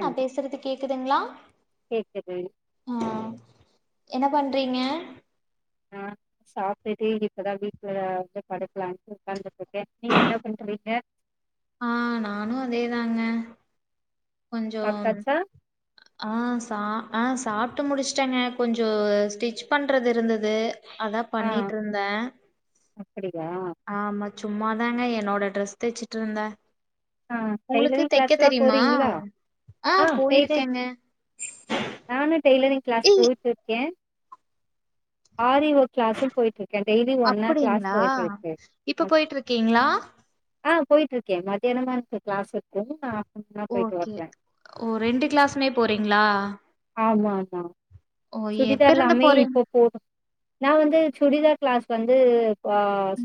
நா பேசுறது கேக்குதுங்களா? கேக்குது ஆ என்ன பண்ணுறிங்க ஆ சாப்பிட்டுட்டு இப்பதா வீட்டுல வந்து படுக்கலான்ட்டு உட்கார்ந்துட்டு இருக்கே. நீங்க என்ன பண்றிங்க? ஆ நானு அதே தாங்க கொஞ்ச சாப்ட்டாச்சா ஆ சா ஆ சாப்பிட்டு முடிச்சுட்டேங்க கொஞ்ச ஸ்டிச் பண்றது இருந்தது அதா ஆ பண்ணிட்டு இருந்த அப்படியா ஆமா சும்மாதாங்க என்னோட ட்ரெஸ் தச்சிட்டு இருந்த ஆ டெய்லரிங் கிளாஸ் எல்லா போறீங்களா ஆ டெய்லரிங் நானு டெய்லரிங் கிளாஸ் ஏய் போயிட்டு இருக்க ஆரி ஒர்க் கிளாஸ்சும் போயிட்டு இருக்க டெய்லி ஒன் அவர் கிளாஸ் அப்டிங்களா போயிட்டு இருக்க இப்ப போயிட்டு இருக்கீங்களா ஆ போயிட்டு இருக்கே மத்தியானமா எனக்கு கிளாஸ் இருக்கும் நா ஆஃப்டர்நூனா போயிட்டு ஓகே வருவே ஓ ரெண்டு கிளாஸ்மே போறீங்களா ஆமா ஆமா ஓ எப்ப இருந்து சுடிதாருலாமே போறீங்க இப்ப போதும் நா வந்து சுடிதார் கிளாஸ் வந்து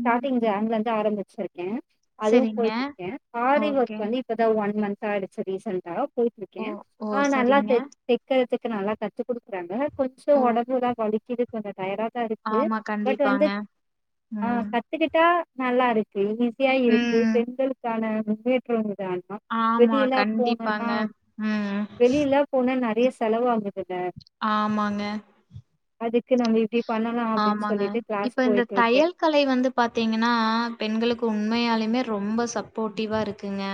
ம் ஜன்ல இருந்து ஆரம்பிச்ச அதுவு சரிங்க போயிட்டு இருக்கே அரி ஓகே ஒர்க் வந்து இப்பதா ஒன் மந்த ஆயிடுச்ச ரீசண்டா போயி இருக்க ஓ ஓ ஆ நல்லா சரிங்க தெ தைக்கிரதுக்கு நல்லா கத்து கொடுக்குறாங்க கொஞ்ச ஓ உடம்புதா வலிக்கிது கொஞ்ச டயாடா தா இருக்கு ஆமா பட் வந்து கண்டிப்பாங்க. ஆ ம். கத் துக்கிட்டா நல்லா இருக்கு ஈஸியா இருக்கு ம். பெண்களுக்கான முன்னேற்றம் தானா ஆமா வெளியிலா போனனா கண்டிப்பாங்க. ம். வெளியிலா போனா நிறைய செலவு ஆகுதுங்க ஆமாங்க, அதுக்கு நம்ம இப்பிடி பண்ணலா அப்டின்னு ஆமாங்க. சொல்லிட்டு கிளாஸ் இப்ப இந்த போய்ட்டுருக்கே தையல் கலை வந்து பாத்தீங்கன்னா பெண்களுக்கு உண்மயாலுமே ரொம்ப சப்போர்ட்டிவா இருக்குங்க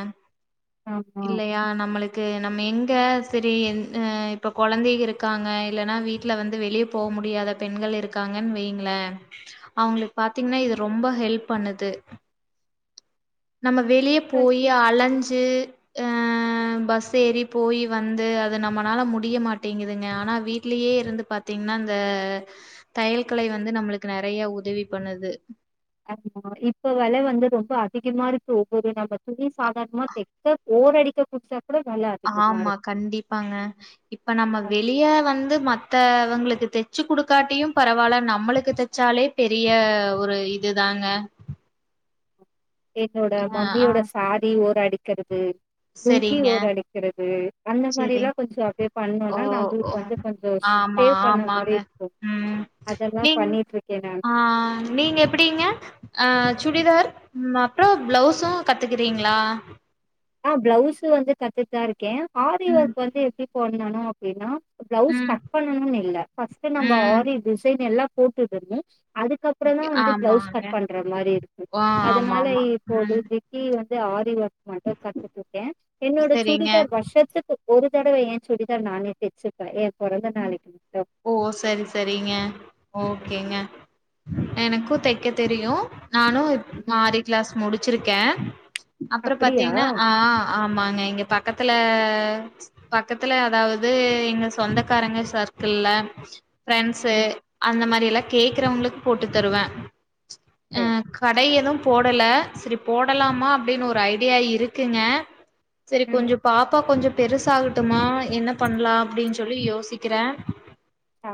ஆமா இல்லயா நம்மளுக் கு நம்ம எங்க செரி இப்ப குழந்தைங்க இருக்காங்க இல்லன்னா வீட்டுல வந்து வெளிய போ முடியாத பெண்கள் இருக் இருக்காங்கன்னு வைங்ளே அவுங்களுக்கு பாத்தீங்ன்னா இது ரொம்ப ஹெல்ப் பண்ணுது நம்ம வெளிய போயி அலஞ்சி அஹ் பஸ் ஏறி போய் வந்து அது நம்மளால முடிய மாட்டேங்குதுங்க ஆனா வீட்லயே இருந்து பாத் பாத்தீங்கன்னா இந்த தையல் கலை வந்து நம்மளுக்கு நிறைய உதவி பண்ணுது ஆமா இப்ப விலை வந்து ரொம்ப அதிகமா இருக்கு ஒவ்வொரு நம்ம துணி சாதாரணமா தெக்க ஓரடிக்க குடுத்தா கூட வெல அதிகமா ஆமா இருக்கு கண்டிப்பாங்க இப்ப நம்ம அ வெளிய வந்து மத்தவங்களுக்கு தச்சு கொடுக்காட்டியு பரவால்ல நம்மளுக்கு தச் ச்சாலே பெரிய ஒரு இதுதாங்க என்னோட அ ஆ மம்மியோட சாரி ஓரடிக்கிறது லுங்கி செரிங்க ஓர அடிக்கிறது அந்த செரி மாரில்லா கொஞ்சோ அப்டியே ஓ பண்ணோனா ஓ நம்மளுக்கு வந்து கொஞ்சோ ஆமா சேவ் பண்ண ஆமாங்க மாரி இருக்கு ம் அதெல்லா நீங் பண்ணிட்ருக்கே நானு ஆ நீங்க எப்டிங்க அ சுடிதார் அப்புறோ பிளவுசு கத்துக்கிறீங்ளா ஆ பிளவுஸு வந்து கத்துட்டுதா இருக்கே ஆரி ம் ஒர்க் வந்து எப்டி போடனுனா அப்டின்னா பிளவுஸ் ம் கட் பண்ணுன்னு இல்ல ஃபஸ்ட் நம்ம ம் ஆரி டிசைன் எல்லா போட்டுடணு அதுக் அதுக்கப்புறோ தா ஓகே வந்து பிளவுஸ் ஆமாங்க கட் பண்ற மாரி இருக்கு ஓ ஆமா அதனால ஆமா இப்போ வந்து ம் வந்து ஆரி ஒர்க் மட்டு கத்துக்கிட்டே என்னோட சரிங்க சுடிதார் வருஷத்துக்கு ஒரு தடவ எ சுடிதார நானே தச்சிப்பே எ பொறந்த நாளைக்கு மட்டு ஓ சரி சரிங்க ஓகேங்க எனக்கு தைக்க தெரியு நானு ம் ஆரி கிளாஸ் முடிச்சிருக்கே அப்புறோ அப்டியா பாத்தீங்ன்னா ஆஹ் ஆமாங்க இங்க பக்கத்துல பக்கத்துல அதாவ்து எங்க சொந்த காரங்க சர்க்கிள்ள ஃபிரெண்ட்ஸு ம் அந்த மாரில்லா கேக்குறவங்களுக்கு போட்டு தருவே சரி கட எது போடல சரி போடலாமா அப்டின்னு ஒரு ஐடியா இருக்குங்க சரி ம் கொஞ்சொ பாப்பா கொஞ்சொ பெருசாகட்டுமா என்ன பண்லா அப்டின்னு சொல்லி யோ சிக்கிறே ஆ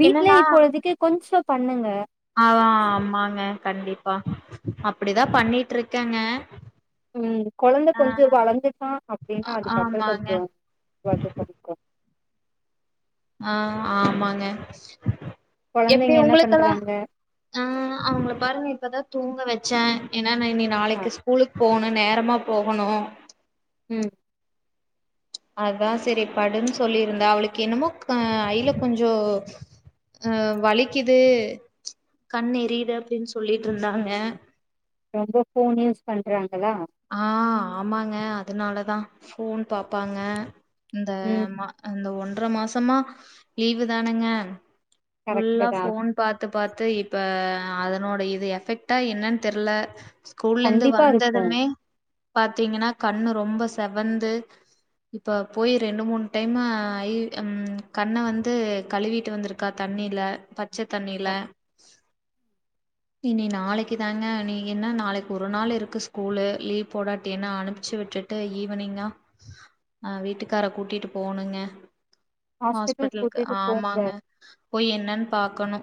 வீட்ல இப்பொழுதிக்கு கொஞ்சோ பண்ணுங்க ஆமாங்க கண்டிப்பா அப்டிதா பண்ணிட்ருக்கேங்க ம் கொழந்த ஆ கொஞ்சோ வளர்துட்டா அப்டின்னா அதுக்கப்றொ ஆமாங்க கொஞ்சொ டெவலப் பன்னிக்கொ ஆ ஆமாங்க எப்டி கொழந்தைங்க என்ன ஒங்களுக்கெல்லா பண்றாங்க ஆ அவுங்கள பாருங்க இப்பதா தூங்க வச்சே ஏன்னா இனி ஆ நாளைக்கு ஸ்கூலுக்கு போணு நேரமா போகணு ம் அதா சரி படுன்னு சொல்லியிருந்தே அவளுக்கு என்னமோ ஐல கொஞ்சொ அ வலிக்குது கண் எரியுது அப்டின்னு சொல்லிட்டு இருந்தாங்க ரொம்ப ஃபோன் யூஸ் பண்றாங்களா ஆ ஆமாங்க அதனாலதா ஃபோன் பாப்பாங்க இந்த ம் ஆமா அந்த ஒன்ற மாசமா லீவு தானுங்க கரெக்ட்டு ஃபுல்லா தா ஃபோன் பாத்து பாத்து இப்ப அ அதனோட இது எஃபெக்ட்டா என்னன் தெர்ல கூல்லருந்து கண்டிப்பா இருக்கு வந்ததுமே பாத்தீங்கனா கண்ணு ரொம்ப செவந்து இப்ப போயி ரெண்டு மூணு டைம்மா ஆயி ம் கண்ண வந்து கழுவிட்டு வந்துருக் க்கா தண்ணில பச்ச தண்ணில இனி நாளைக்கு தாங்க இனி என்ன நாளைக்கு ஒரு நாள் இருக்கு ஸ்கூலு லீவ் போடாட்டி என்ன அனுப்ச்சு விட்டுட்டு ஈவினிங்கா ஆ வீட்டுக்கார கூட்டிட்டு போவுனுங்க ஹாஸ்பிட்டல் ஹாஸ்பிட்டலுக்கு கூட்டிட்டு போங்க ஆமாங்க போயி என்னன் பாக்கணு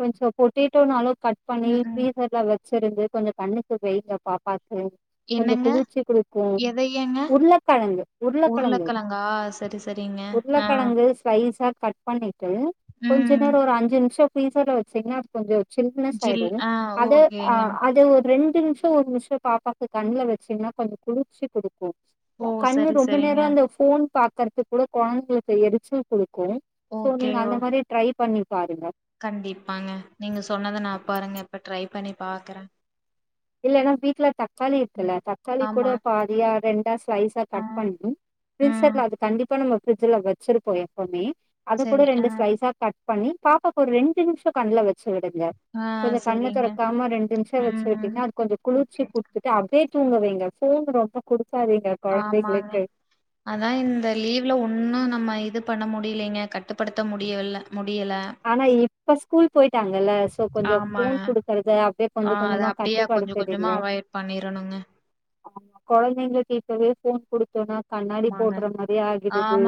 கொஞ்ச பொட்டேட்டோனாலு கட் பண்ணி ம் ம் ஃப்ரீசர்ல வச் ச்சிருந்து கொஞ்ச கண்ணுக்கு வெங்க பாப்பாக்கு கொஞ்ச என்னங்க குளிர்ச்சி குடுக்கு எதையங்க உருளக்கெழங்கு உருளக்கெழங்கு உருளக்கெழங்கா சரி சரிங்க உர் ஆ ருளக்கெழங்கு ஸ்லைஸா கட் பண்ணிட்டு கொஞ்ச ம் நேர ஒரு அஞ்சு நிம்ஷ ஃப்ரீசர்ல வச்சீங்னா அது கொஞ்ச சில்னஸ் ஜில் ஆயிடு ஆ அத அ ஓகேங்க அத ஒரு ரெண்டு நிம்ஷ டூ ஒரு நிம்ஷ பாப்பாக்கு கண்ல வச்சீங்கனா கொஞ்ச குளிர்ச்சி குடுக்கு க ஓ கண்ணு சரி ரொம்ப நேர சரிங்க அந்த ஃபோன் பாக்கற்து கூட கொழந்தைங்களுக்கு எரிச்சல் குடுக்கு சோ ஓகே நீங்க ஓ அந்த மாரி ட்ரை பண்ணி பாருங்க கண்டிப்பாங்க நீங்க சொன்னத நா பாருங்க இப்ப ட்ரை பண்ணி பாக்குறே இல்லனா வீட்ல தக்காளி இருக்குல்ல தக்காளி கூட ஆமா. பாதியா ரெண்டா ஸ்லைஸ் வா ஆ. கட் பண்ணி ம். ஃப்ரீசர்ல அது கண்டிப்பா நம்ம ஃப்ரிட்ஜ்ல வச்சிருப்போ எப்பமே அதக் கூட சரி. ஆ. ரெண்டு ஸ்லைஸா கட் பண்ணி பாப்பாக்கு ஒரு ரெண்டு நிம்ஷ கண்ல வெச்சு விடுங்க ஆ கொஞ்ச கண்ண சரிங்க. தொறக்காம ரெண்டு நிம்ஷ வெச்சு விட் ம். டிங்னா அது கொஞ்ச குளிர்ச்சி ஓகே. குடுத்துட்டு அப்டியே தூங்கவைங்க ஃபோனு ரொம்ப குடுக்காதீங்க ஆமாங்க கொழந்தைங்களுக்கு அதா இந்த லீவ்ல ஒன்னு நம்ம இது பண்ண முடியலைங்க கட்டுப்படுத்த முடியவில்ல முடியல ஆனா இப் இப்ப ஸ்கூல் போயிட்டாங்கல்ல சோ கொஞ்ச ஃபோன் ஆமாங்க. குடுக்கறத அப்டியே கொஞ்ச கொஞ்சமா கட்டுப்படுத்திறீங்க பண்ணிறனுங்க ஆமா கொழந்தைங்களுக்கு இப்பவே ஃபோன் குடுத் தோனா கண்ணாடி ஆமாங்க. போட்ற மாரி ஆகிடுது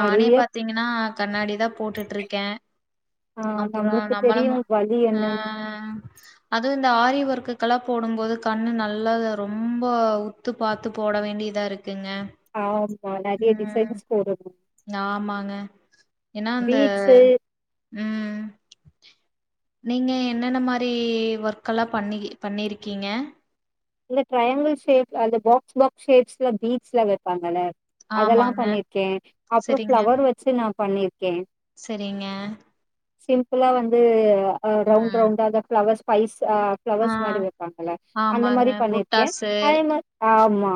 நெறைய த்தீங்கனா கண்ணாடி தா போட்டுட்ருக்கே ஆ அப்பறோ நம்மளுக்கு நம்மள தெரியு மா வழி ஆ என்னன்னு அதுவுமஇந்த ஆரி வொர்க்குக்கெல்லா போடும்போது கண்ணு நல்லா தா ரொம்ப உத்து பாத்து போட வேண்டியதா இருக் க்குங்க ஆமா நெறைய டிசைன்ஸ் போடணு நாமாங்க ஏனா அந்த பீட்ஸு ம் நீங்க என்னென்ன மாரி ஒர்க்கெல்லா பண்ணிக்கி பண்ணிருக்கீங்க இல்ல ட்ரையாங்கிள் ஷேப்ல அந்த பாக்ஸ் பாக்ஸ் ஷேப்ஸ்ல பீட்ஸ்லா வெப்பாங்கல்ல அதெல்லா ஆமாங்க பண்ணிருக்கே அப்பற செரிங்க ஃபிளவர் வச்சு நா பண்ணிருக்கே செரிங்க சிம்பிளா வந்து அ ரவுண்ட் ம் ரவுண்டா அந்த ஃபிளவர் ஸ்பைஸ் ஆ ஆ ஃபிளவர்ஸ் மாரி வெப்பாங்கள அந்த ஆமாங்க மாரி பண்ணிருக்கே புட்டாஸு அதே மார் ஆமா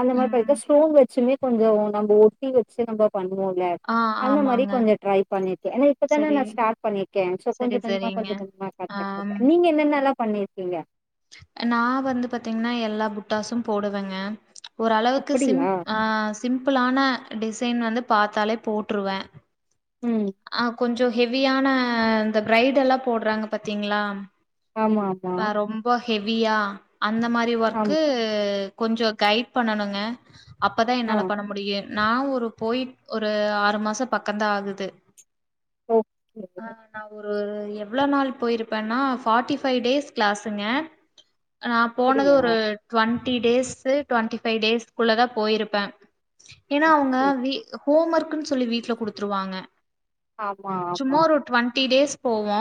அந்த மாரி ம் பாத்த ஸ்டோன் வச்சுமே கொஞ்ச நம்ப ஒட்டி வச்சு நம்ப பண்ணுவோல்ல ஆ அந்த மாரி ஆமாங்க கொஞ்ச ட்ரை பண்ணிருக்கே ஏனா இப்பதான செரி நா ஸ்டார்ட் பண்ணிருக்கே சோ செரி கொஞ்ச கொஞ்சமா செரிங்க கொஞ்ச கொஞ்சமா ஸ்டார்ட் ஆம் பண்ணிக்கே நீங்க என்ன மார்லா பண்ணிருக்கீங்க அ நா வந்து பாத்தீங்னா எல்லா புட்டாஸும் போடுவேங்க ஓரளவுக்கு சிம் அப்படியா அ சிம்பிளான டிசைன் வந்து பாத்தாலே போட்டுருவே ம் அ கொஞ்சோ ஹெவியான இந்த பிரைடு எல்லா போடுறாங்க பத்திங்களா ஆமா ஆமா அ ரொம்போ ஹெவியா அந்த மாரி ஆம் ஒர்க்கு கு கொஞ்சோ கைட் பண்ணணுங்க அப்பதா ஆ என்னால பண்ண முடியு நா ஒரு போய் ஒரு ஆறு மாச பக்கந்தா ஆகுது ஓகே ஆ நா ஒரு எவ்ளோ நாள் போயிருப்பேனா ஃபார்ட்டி ஃபைவ் டேஸ் கிளாஸுங்க நா போனது அப்படியா ஒரு டுவென்ட்டி டேஸ்சு டுவென்ட்டி ஃபைவ் டேஸ்க்குள்ளதா போயிருப்பே ஏனா அவுங்க அச்சோ. வீ ஹோம் ஒர்க்குன்னு சொல்லி வீட்ல குடுத்துருவாங்க ஆமா சும்மா ஆமா ஒரு டுவென்ட்டி டேஸ் போவோ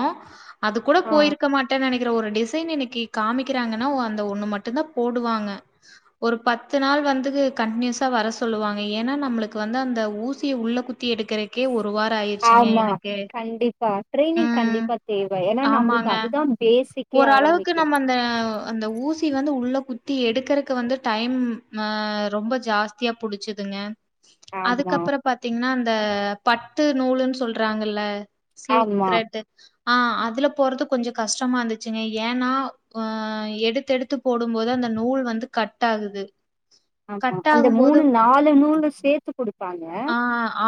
அது கூட ஆ போயிருக்க மாட் டே நெனக்கிறே ஒரு டிசைன் இன்னைக்கி காமிக்கிறாங்கனா ஓ அந்த ஒன்னு மட்டு தா போடுவாங்க ஒரு பத்து நாள் வந்து கண்டினியூஸா வர சொல்லுவாங்க ஏனா நம்மளுக்கு வந்து அந்த ஊசிய உள்ள குத் தி எடுக்கிறக்கே ஒரு வாரோ ஆயி ஆமா கண்டிப்பா ட்ரைனிங் ம் கண்டிப்பா தேவ ஏனா நம்மளுக்கு ஆமாங்க அதுதா பேசிக் ஓரளவுக்கு நம்ம அந்த அந்த ஊசி வந்து உள்ள குத்தி எடுக்கிறக்கு வந்து டைம் ம ரொம்ப ஜாஸ் தியா புடிச்சிதுங்க ஆமா, அதுக்கப்பற பாத்தீங்கன்னா அந்த பட்டு நூலுன்னு சொல்றாங்கல்ல சில்க் ஆமா, த்ரெட்டு ஆ அதுல போறது கொஞ்ச கஷ்டமா இருந்துச்சுங்க ஏனா உ ஆ எடுத்தெடுத்து போடு போது அந்த நூல் வந்து கட் ஆகுது ஆமா கட் அந்த ஆகும்போது மூணு நாலு நூல சேத்து குடுப்பாங்க ஆ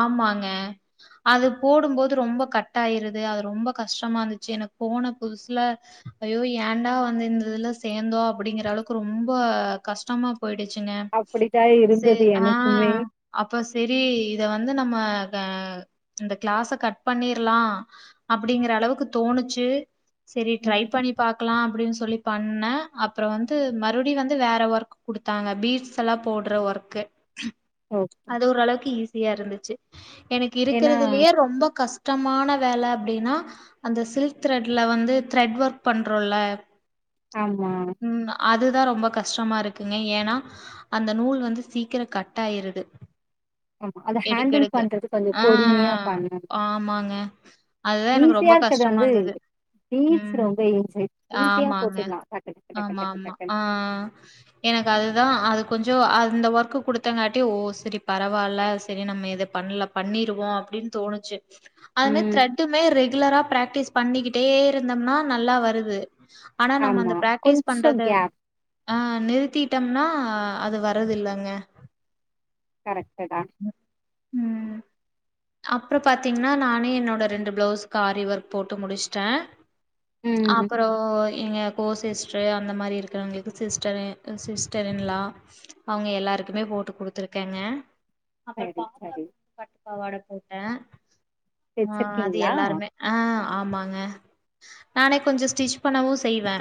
ஆமாங்க அதுப் போடுபோது ரொம்ப கட் ஆயிருது அது ரொம்ப கஷ்டமா இருந்துச்சு எனக்கு போன புதுசுல ஐயோ ஏன்டா வந்து இந்த இதுல சேந்தோ அப்டிங்குற அளவுக்கு ரொம்போ கஷ்டமா போயிடுச்சுங்க அப்படித்தான் இருந்தது சேர் ஆ எனக்குமே. ஹ ஹா அப்ப செரி இத வந்து நம்ம க இந்த கிளாஸ கட் பண்ணிரலா அப்டிங்கிற அளவுக்கு தோணுச்சு செரி ட்ரை ம். பண்ணி பாக்கலா அப்டின்னு சொல்லி பண்ணே அப்பறோ வந்து மறுபடியு வந்து வேற ஒர்க் குடுத் தாங்க பீட்ஸ் எல்லா போடுற ஒர்க்கு ஓகே அது ஓரளவுக்கு ஈஸியா இருந்துச்சு எனக்கு ஏன்னா இருக்கிறதுலயே ரொம்ப கஷ் டமான வேல அப்டினா அந்த சில்க் த்ரெட்ல வந்து த்ரெட் ஒர்க் பண்றோல ஆமா ம் அதுதா ரொம்ப கஷ்டமா இருக்குங்க ஏனா அந்த நூல் வந்து சீக்கிர கட் ஆயிருது ஆமா அத எடுக்க ஹேண்டில் எடுக்க பண்றது கொஞ்சோ ஆ பொறுமையா பண்ணணு ஆமாங்க அதுதா எனக்கு ஈஸியா ரொம்ப இருக்கது கஷ்டமா வந்து இருந்தது பீட்ஸ் ம் ரொம்ப ஈஸி ஈஸியா ஆமாங்க போட்டுலா டக் டக் டக் டக் ஆமா டக் டக் ஆமா டக் டன் ஆ எனக்கு அதுதா அது கொஞ்சோ அந்த ஒர்க்கு குடுத்தங்காட்டி ஓ செரி பரவால்ல செரி நம்ம எது பண்லப் பண்ணிருவோ அப்டின்னு தோணுச்சு அது மாரி ம். த்ரெட்டுமே ரெகுலரா பிராக்டிஸ் பண்ணிக்கிட்டே இருந்தோம்னா நல்லா வருது ஆனா நம்ம ஆமா. அந்த பிராக்டிஸ் கொஞ்சம் பண்றது கேப் ஆ நிறுத்திட்டொம்னா அது வரது இல்லங்க கரக்ட்டு தா ம் அப்றோ பாத்தீங்கனா நானே என்னோட ரெண்டு ப்ளவுஸ்க்கு ஆரி வர்க் போட்டு முடுச்சுட்டே ம். அப்பறோ ஓ எங்க கோ சிஸ்டுரு அந்த மாரி இருக்கறவங்களுக்கு சிஸ்டரு சிஸ்டர் இன் லா அவ்ங்க எல்லாருக்குமே போட்டு குடுத்துருக்கேங்க அப்பறோ சரி, சரி. பாப்பாக்கு பட்டுப்பாவாட போட்டே ஆ அது வச்சிருக்கீங்களா? எல்லாருமே ஆ ஆமாங்க நானே கொஞ்சோ ஸ்டிச் பண்ணவு செய்வே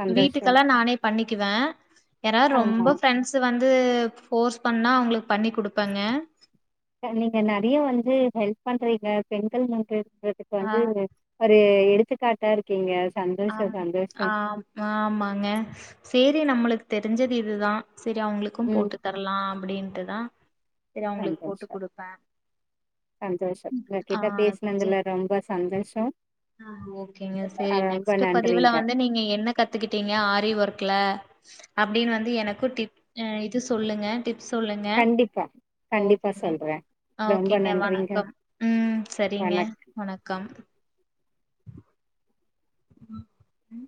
சந்தோஷம் வீட்டுக்கெல்லா நானே பண்ணிக்கிவே யாரா ஆமா ரொம்ப ஃப்ரெண்ட்ஸ் ஸு வந்து ஃபோர்ஸ் பண்ணா அவ்ங்களுக்கு பண்ணி குடுப்பேங்க நீங்க நறையா வந்து ஹெல்ப் பண்றீங்க பெண்கள் முன்றேற்றதுக்கு ஆ வந்து ஒரு ஒரு எடுத்துக்காட்டா இருக்கீங்க சந்தோஷோ ஆம் சந்தோஷோ ஆம் ஆமாங்க சேரி நம்மளுக்கு தெருஞ்சது இதுதா சேரி அவ்ங்களுக்கு ம் போட்டு தர்லா அப்பிடின்ட்டுதா சந்தோஷோ சந்தோஷோ ஆ உங்ககிட்ட சே பேசுனதுல ரொம்ப ச சந்தோஷோ ஆ ஓகேங்க சேரி நெக்ஸ்ட்டு பதிவுல நன்றிங்க வந்து நீங்க என்ன கத்துக்கிட்டீங்க ஆரி வர்க்குல அப்டின்னு வந்து எனக்கு டிப் இது சொல்லுங்க டிப் டிப் சொல்லுங்க கண்டிப்பா கண்டிப்பா ஓகேங்க சொல்றே ரொம்ப ஓகேங்க நன்றிங்க வணக்கம் ம் செரிங்க வணக் வணக்கம் ம்